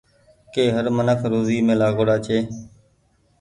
ڪي هر منک روزي مين لآگوڙآ هووي۔